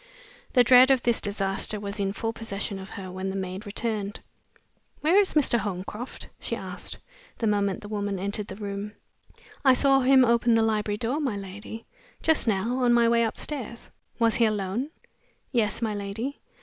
The dread of this disaster was in full possession of her when the maid returned. "Where is Mr. Holmcroft?" she asked, the moment the woman entered the room. "I saw him open the library door, my lady, just now, on my way upstairs." "Was he alone?" "Yes, my lady."